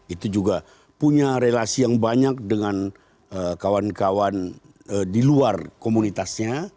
itu juga punya relasi yang banyak dengan kawan kawan di luar komunitasnya